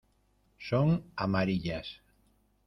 son amarillas.